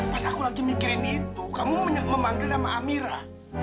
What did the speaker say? pas aku lagi mikirin itu kamu memanggil nama amira